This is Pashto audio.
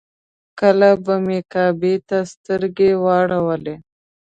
کله به مې کعبې ته سترګې واړولې.